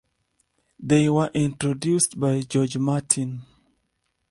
They were introduced by George Martin.